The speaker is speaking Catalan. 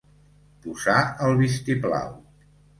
Posar el vistiplau.